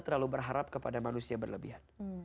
terlalu berharap kepada manusia berlebihan